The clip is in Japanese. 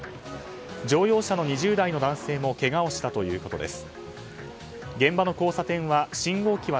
乗用車の２０代の男性もけがをしたということです。